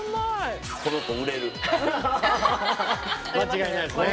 間違いないですね。